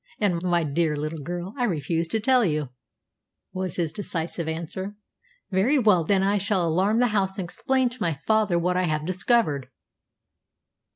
"And, my dear little girl, I refuse to tell you," was his decisive answer. "Very well, then I shall alarm the house and explain to my father what I have discovered."